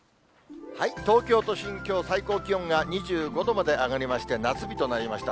東京都心、きょう、最高気温が２５度まで上がりまして、夏日となりました。